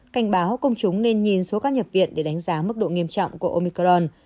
cảnh báo công chúng nên nhìn số ca nhập viện để đánh giá mức độ nghiêm trọng của omicron